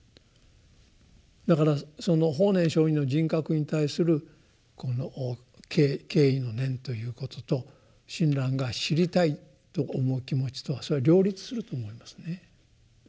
だからその法然上人の人格に対するこの敬意の念ということと親鸞が知りたいと思う気持ちとはそれは両立すると思いますね。